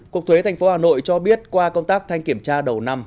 cục thuế thành phố hà nội cho biết qua công tác thanh kiểm tra đầu năm